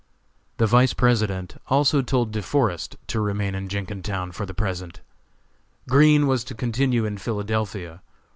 The Vice President also told De Forest to remain in Jenkintown for the present. Green was to continue in Philadelphia.